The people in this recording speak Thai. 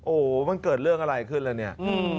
โอ้โหมันเกิดเรื่องอะไรขึ้นแล้วเนี่ย